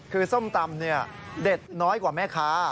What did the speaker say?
คือส้มตำเด็ดน้อยกว่าแม่ค้า